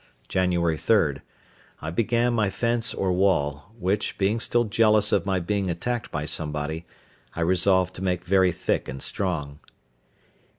Jan. 3.—I began my fence or wall; which, being still jealous of my being attacked by somebody, I resolved to make very thick and strong.